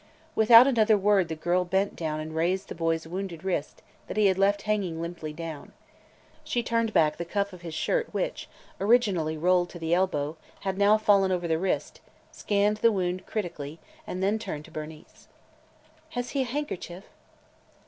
Without another word the girl bent down and raised the boy's wounded wrist that he had left hanging limply down. She turned back the cuff of his shirt which, originally rolled to the elbow, had now fallen over the wrist, scanned the wound critically, and then turned to Bernice. "Has he a handkerchief?"